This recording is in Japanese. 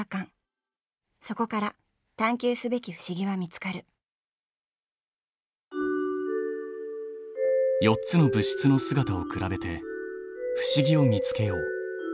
そこから探究すべき不思議は見つかる４つの物質の姿を比べて不思議を見つけよう。